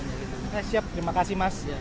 saya siap terima kasih mas